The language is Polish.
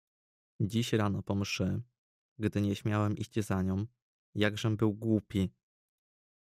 "Dziś rano po mszy, gdy nieśmiałem iść za nią, jakżem był głupi!..."